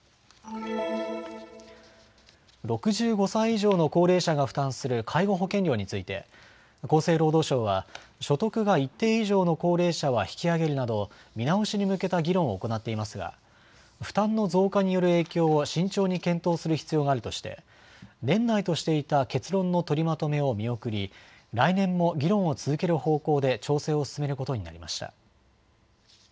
６５歳以上の高齢者が負担する介護保険料について厚生労働省は所得が一定以上の高齢者は引き上げるなど見直しに向けた議論を行っていますが負担の増加による影響を慎重に検討する必要があるとして年内としていた結論の取りまとめを見送り来年も議論を続ける方向で調整を進めることになりました。